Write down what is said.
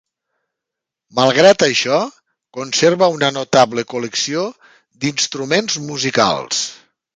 Malgrat això, conserva una notable col·lecció d'instruments musicals.